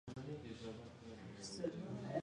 بې ځایه نیوکې مه کوئ.